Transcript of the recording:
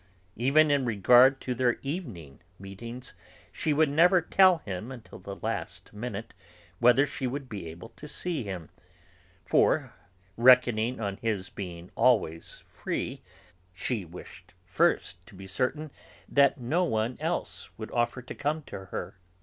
Even in regard to their evening meetings, she would never tell him until the last minute whether she would be able to see him, for, reckoning on his being always free, she wished first to be certain that no one else would offer to come to her.